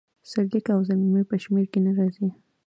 سرلیک او ضمیمې په شمیر کې نه راځي.